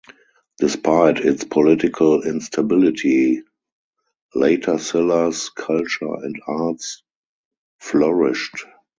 Despite its political instability, Later Silla's culture and arts flourished.